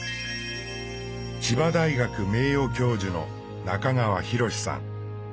千葉大学名誉教授の中川裕さん。